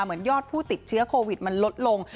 เหมือนยอดผู้ติดเชื้อโควิดมันลดลง